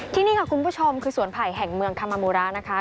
ที่นี่ค่ะคุณผู้ชมคือสวนไผ่แห่งเมืองคามามูระนะคะ